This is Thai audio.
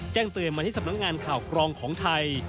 แจ้งเตือนมาที่สำนักงานข่าวกรองของไทย